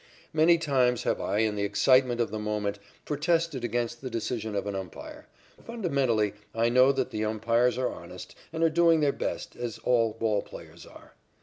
Many times have I, in the excitement of the moment, protested against the decision of an umpire, but fundamentally I know that the umpires are honest and are doing their best, as all ball players are.